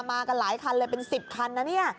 มากันหลายคันเลยเป็นสิบคันนี่